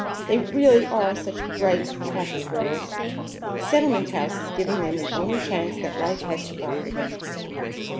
They really are such bright, attractive girls! The Settlement House is giving them the only chance that life has to offer them."